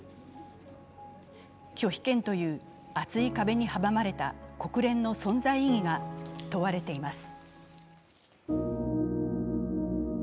拒否権という厚い壁にはばまれた国連の存在意義が問われています。